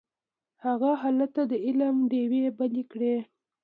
هغه هلته د علم ډیوې بلې کړې.